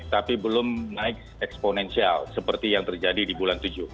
tapi belum naik eksponensial seperti yang terjadi di bulan tujuh